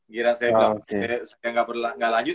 kira saya gak lanjut